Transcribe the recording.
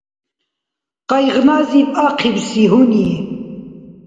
Къайгъназиб ахъибси гьуни